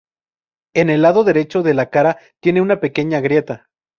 En el lado derecho de la cara tiene una pequeña grieta.